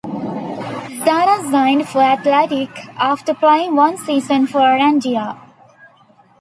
Zarra signed for Athletic after playing one season for Erandio.